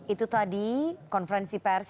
itu tadi konferensi pers